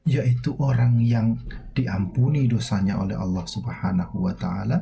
yaitu orang yang diampuni dosanya oleh allah swt